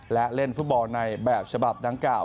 และเล่นฟุตบอลในแบบฉบับดังกล่าว